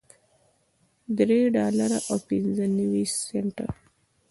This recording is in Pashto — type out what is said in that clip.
درې ډالره او پنځه نوي سنټه